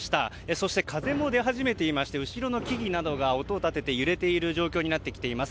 そして、風も出始めていまして後ろの木々などが音を立てて揺れている状況になってきています。